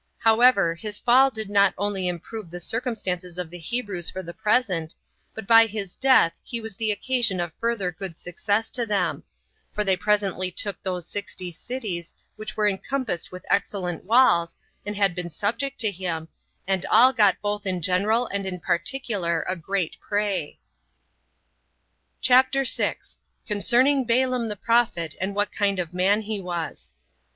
However, his fall did not only improve the circumstances of the Hebrews for the present, but by his death he was the occasion of further good success to them; for they presently took those sixty cities, which were encompassed with excellent walls, and had been subject to him, and all got both in general and in particular a great prey. CHAPTER 6. Concerning Balaam The Prophet And What Kind Of Man He Was.